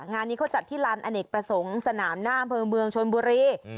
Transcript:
งานนี้เขาจัดที่ลานอเนกประสงค์สนามหน้าอำเภอเมืองชนบุรี